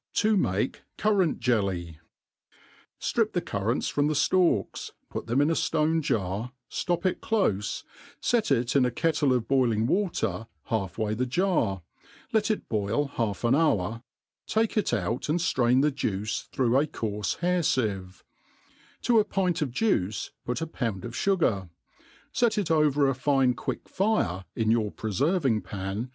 To make Currant Jelly. STRIP the currants from the ftalks, put them in a ftone jar, ftop it clofe, fet it in a kettle of boiling water half way the jar, let it boil half an hour, lake it out and flrain the juice through a coarfe hair fieve 1 *to a pint of juice put a pound of fugar, fet it over a fine quick dear fire in your preferving pan.